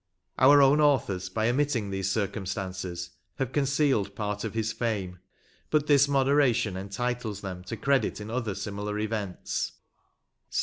Our own authors, by omitting these circumstances, have concealed part of his fame; but this moderation entitles them to credit in other similar events."